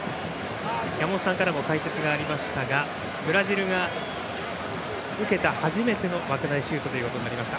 山本さんからも解説がありましたがブラジルが受けた初めての枠内シュートとなりました